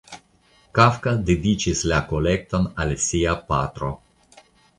Kafka dediĉis la kolekton al sia patro.